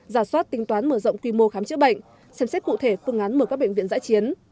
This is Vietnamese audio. giả soát tính toán mở rộng quy mô khám chữa bệnh xem xét cụ thể phương án mở các bệnh viện giã chiến